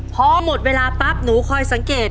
พอหมดเวลาปั๊บหนูคอยสังเกต